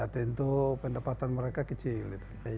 tentu pendapatan mereka kecil